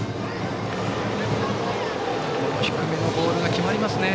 低めのボールが決まりますね。